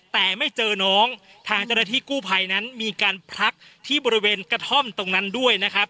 แต่ไม่เจอน้องทางเจ้าหน้าที่กู้ภัยนั้นมีการพลักที่บริเวณกระท่อมตรงนั้นด้วยนะครับ